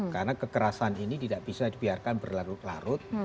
karena kekerasan ini tidak bisa dibiarkan berlarut larut